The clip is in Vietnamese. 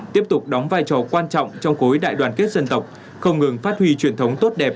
tiếp tục đóng vai trò quan trọng trong cối đại đoàn kết dân tộc không ngừng phát huy truyền thống tốt đẹp